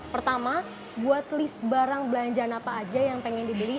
pertama buat list barang belanjaan apa aja yang pengen dibeli